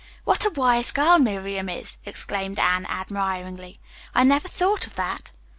"What a wise girl Miriam is!" exclaimed Anne admiringly. "I never thought of that."